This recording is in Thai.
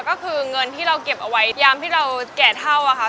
ก็คือเงินที่เราเก็บเอาไว้ยามที่เราแก่เท่าอะค่ะ